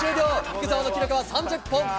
福澤の記録は３０本。